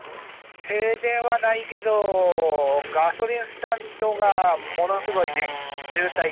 停電はないけどガソリンスタンドがものすごいね